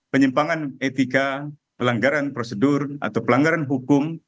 penyimpangan etika pelanggaran prosedur atau pelanggaran hukum